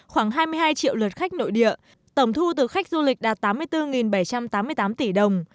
khoảng hai mươi hai triệu lượt khách nội địa tổng thu từ khách du lịch đạt tám mươi bốn bảy trăm tám mươi tám tỷ đồng